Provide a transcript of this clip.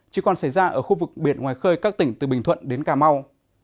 chỉ còn xảy ra ở khu vực biển ngoài khơi các tỉnh từ bình thuận đến cà mau